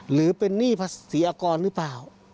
หรือเป็นหนี้ภาษีอากรหรือเปล่า